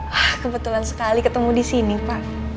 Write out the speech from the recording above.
wah kebetulan sekali ketemu disini pak